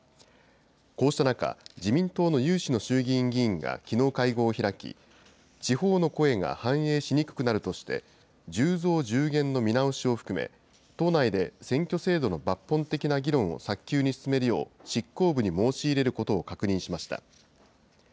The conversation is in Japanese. こうした中、自民党の有志の衆議院議員がきのう会合を開き、地方の声が反映しにくくなるとして、１０増１０減の見直しを含め、党内で選挙制度の抜本的な議論を早急に進めるよう、執行部に申し入れることを確認しました。